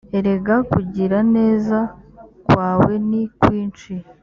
erega kugira neza kwawe ni kwinshi!